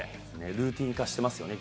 ルーティン化してますよね。